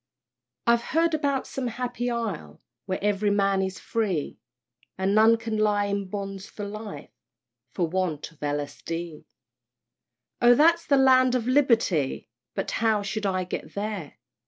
I've heard about some happy Isle, Where ev'ry man is free, And none can lie in bonds for life For want of L. S. D. Oh that's the land of Liberty! But how shall I get there?